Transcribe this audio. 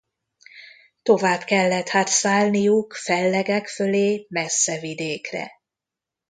Tovább kellett hát szállniuk, fellegek fölé, messze vidékre.